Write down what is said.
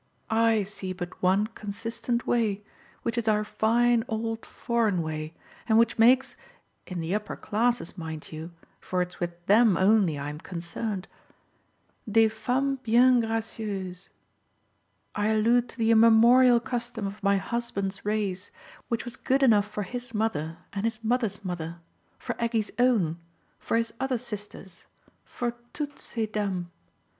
I see but one consistent way, which is our fine old foreign way and which makes in the upper classes, mind you, for it's with them only I'm concerned des femmes bien gracieuses. I allude to the immemorial custom of my husband's race, which was good enough for his mother and his mother's mother, for Aggie's own, for his other sisters, for toutes ces dames.